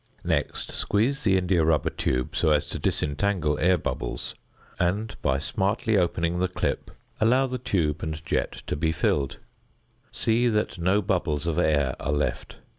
Next squeeze the india rubber tube so as to disentangle air bubbles and, by smartly opening the clip, allow the tube and jet to be filled; see that no bubbles of air are left.